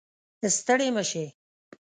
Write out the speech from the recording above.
ستړې مه شې